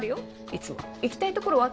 いつも行きたいところは？